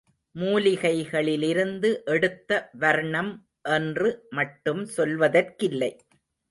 மூலிகைகளிலிருந்து எடுத்த வர்ணம் என்று மட்டும் சொல்வதற்கில்லை.